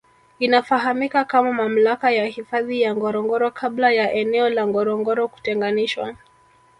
Inafahamika kama mamlaka ya hifadhi ya Ngorongoro kabla ya eneo la Ngorongoro kutenganishwa